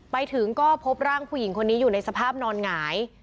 ไปถึงก็พบร่างผู้หญิงคนนี้อยู่ในสภาพนอนหงาย